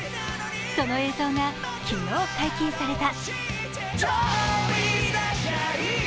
その映像が昨日、解禁された。